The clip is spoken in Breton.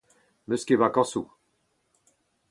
Ne'm eus ket vakañsoù.